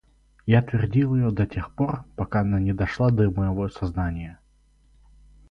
Я твердил ее до тех пор, пока она не дошла до моего сознания.